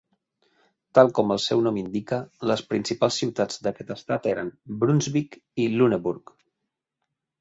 Tal com el seu nom indica, les principals ciutats d'aquest estat eren Brunsvic i Lüneburg.